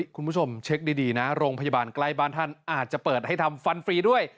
คุณผู้ชมเช็คดีนะโรงพยาบาลใกล้บ้านท่านอาจจะเปิดให้ทำฟันฟรีด้วย